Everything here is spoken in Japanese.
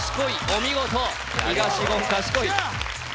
お見事東言叡い